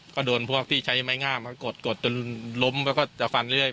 ก็โดนพวกที่ใช้ไหม้ง่ามามัดกดจะล้มก็รุ่นรุมแล้วก็จ้ะฟันเรื่อย